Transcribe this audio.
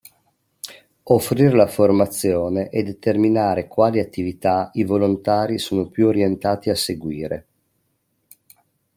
Offrire la formazione e determinare quali attività i volontari sono più orientati a seguire.